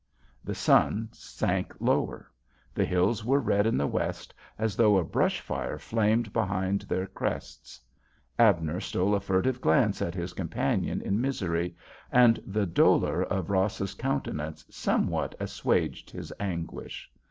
The sun sank lower. The hills were red in the west as though a brush fire flamed behind their crests. Abner stole a furtive glance at his companion in misery, and the dolor of Ross's countenance somewhat assuaged his anguish.